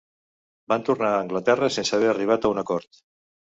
Van tornar a Anglaterra sense haver arribat a un acord.